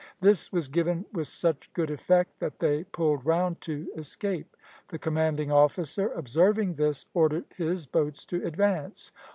This was given with such good effect that they pulled round to escape. The commanding officer, observing this, ordered his boats to advance.